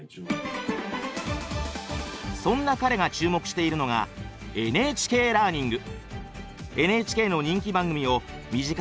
そんな彼が注目しているのが「ＮＨＫラーニング」。